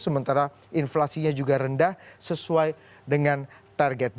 sementara inflasinya juga rendah sesuai dengan target